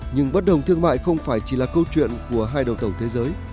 nhưng bất đồng thương mại không phải chỉ là câu chuyện của hai đầu tàu thế giới